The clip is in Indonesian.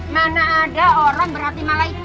mana ada orang berarti malaikat